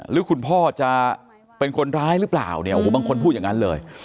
หรือคุณพ่อจะเป็นคนร้ายหรือเปล่าเนี่ยโอ้โหบางคนพูดอย่างนั้นเลย